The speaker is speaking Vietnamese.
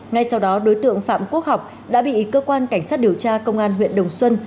ngay sau đó đối tượng phạm quốc học đã bị cơ quan cảnh sát điều tra công an huyện đồng xuân